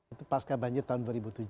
itu pasca banjir tahun dua ribu tujuh